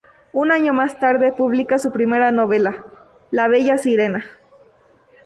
Un año más tarde publica su primera novela "La bella sirena".